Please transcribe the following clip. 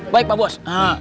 baik pak bos